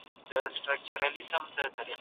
خو ستا کاته کاږه ـ کاږه مې په زړه بد لگيږي